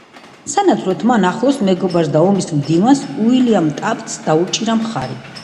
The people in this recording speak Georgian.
სანაცვლოდ მან ახლო მეგობარს და ომის მდივანს უილიამ ტაფტს დაუჭირა მხარი.